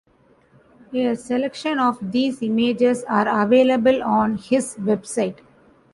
A selection of these images are available on his website.